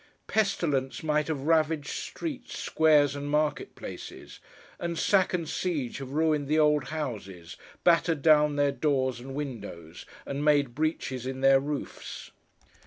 Pestilence might have ravaged streets, squares, and market places; and sack and siege have ruined the old houses, battered down their doors and windows, and made breaches in their roofs.